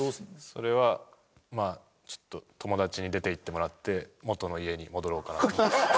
それはまあちょっと友達に出ていってもらって元の家に戻ろうかなと。